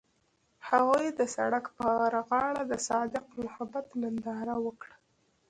هغوی د سړک پر غاړه د صادق محبت ننداره وکړه.